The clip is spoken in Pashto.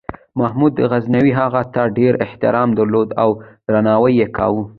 محمود غزنوي هغه ته ډېر احترام درلود او درناوی یې کاوه.